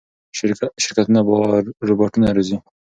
شرکتونه روباټونه روزي.